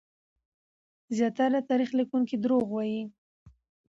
زياتره تاريخ ليکونکي دروغ وايي.